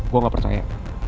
gue gak percaya